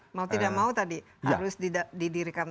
mau tidak mau tadi harus didirikan